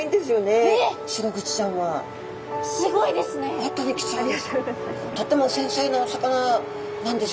本当に貴重です。